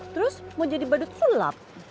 terus mau jadi badut sulap